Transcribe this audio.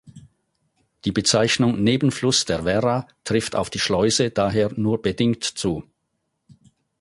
Die Bezeichnung „Nebenfluss der Werra“ trifft auf die Schleuse daher nur bedingt zu.